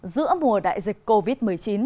giữa mùa đại dịch covid một mươi chín